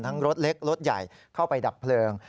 รถเล็กรถใหญ่เข้าไปดับเพลิง